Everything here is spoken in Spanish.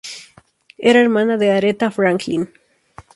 Era hermana de Aretha Franklin.